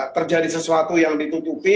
terjadi sesuatu yang ditutupi